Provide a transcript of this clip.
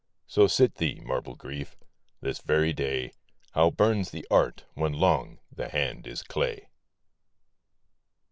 So sit thee, marble Grief ! this very day How burns the art when long the hand is clay